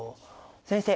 先生